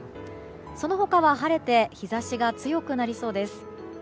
その他は晴れて日差しが強くなりそうです。